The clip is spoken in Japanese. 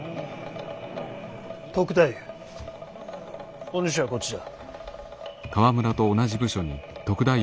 篤太夫お主はこっちだ。